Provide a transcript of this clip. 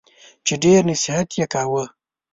چي ډېر نصیحت یې کاوه !